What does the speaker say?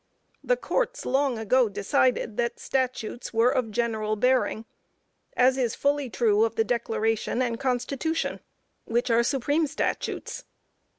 The Courts long ago decided that Statutes were of general bearing, as is fully true of the Declaration and Constitution, which are supreme statutes.